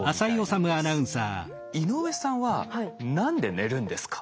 井上さんは何で寝るんですか？